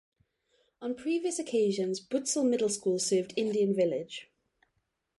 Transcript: On previous occasions Butzel Middle School served Indian Village.